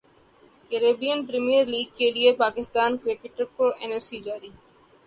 Caribbean premiere league کیلئے Pakistani cricketers کو N O C جاری